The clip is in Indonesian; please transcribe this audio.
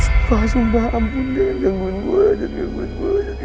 sumpah sumpah ampun jangan gangguin gue jangan gangguin gue jangan gangguin gue